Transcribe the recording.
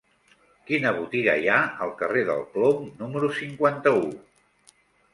Quina botiga hi ha al carrer del Plom número cinquanta-u?